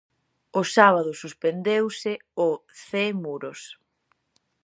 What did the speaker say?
O sábado suspendeuse o Cee-Muros.